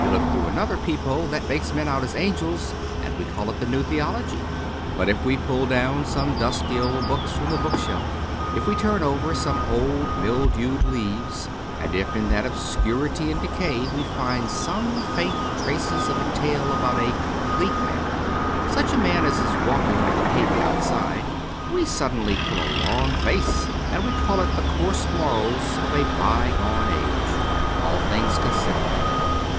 We look through another peephole that makes men out as angels, and we call it the New Theology. But if we pull down some dusty old books from the bookshelf, if we turn over some old mildewed leaves, and if in that obscurity and decay we find some faint traces of a tale about a complete man — such a man as is walking on the pavement outside — we suddenly pull a long face, and we call it the coarse morals of a bygone age. 'All Things Considered.'